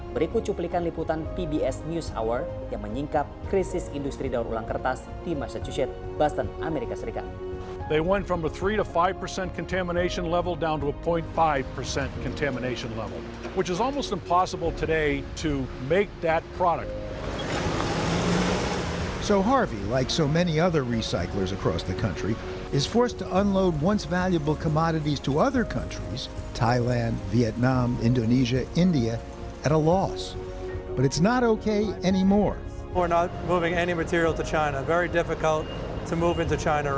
berikut cuplikan liputan pbs newshour yang menyingkap krisis industri darulang kertas di massachusetts boston amerika serikat